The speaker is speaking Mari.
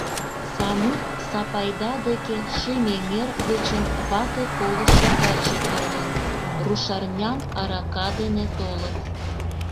Самут Сапайда деке Шимеҥер гычын вате колышо каче толын; рушарнян арака дене толыт...